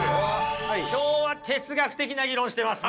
今日は哲学的な議論してますね。